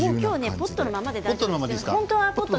ポットのままで大丈夫です。